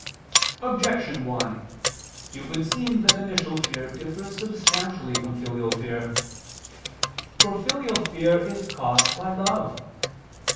Objection 1: It would seem that initial fear differs substantially from filial fear. For filial fear is caused by love.